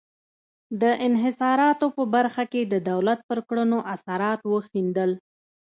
د انحصاراتو په برخه کې د دولت پر کړنو اثرات وښندل.